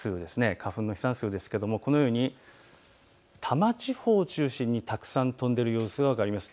花粉の飛散数ですけどもこのように多摩地方を中心にたくさん飛んでいる様子が分かります。